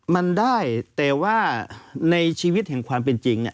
มันได้แต่ว่าในชีวิตแห่งความเป็นจริง